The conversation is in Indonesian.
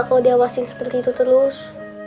kalau diawasin seperti itu terus